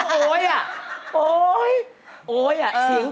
ก็ก็จะชอบจริง